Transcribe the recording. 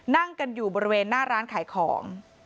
นั่งกันอยู่บริเวณหน้าร้านขายของ